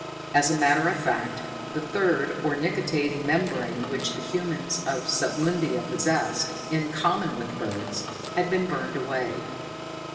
As a matter of fact, the third, or nictitating membrane, which the humans of Submundia possessed, in common with birds, had been burned away.